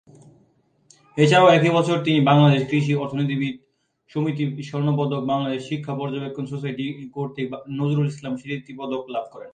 এছাড়াও একই বছর তিনি বাংলাদেশ কৃষি অর্থনীতিবিদ সমিতি স্বর্ণপদক, বাংলাদেশ শিক্ষা পর্যবেক্ষণ সোসাইটি কর্তৃক ‘নজরুল ইসলাম স্মৃতি পদক’ লাভ করেন।